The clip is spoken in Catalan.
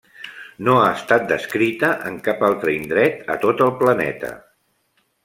No ha estat descrita en cap altre indret a tot el planeta.